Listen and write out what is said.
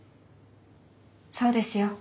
そうですよ。